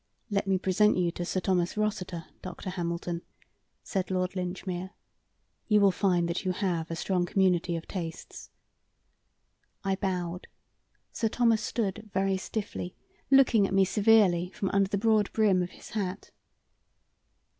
"Let me present you to Sir Thomas Rossiter, Dr. Hamilton," said Lord Linchmere. "You will find that you have a strong community of tastes." I bowed. Sir Thomas stood very stiffly, looking at me severely from under the broad brim of his hat.